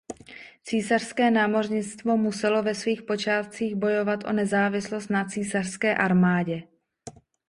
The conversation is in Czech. Císařské námořnictvo muselo ve svých počátcích bojovat o nezávislost na císařské armádě.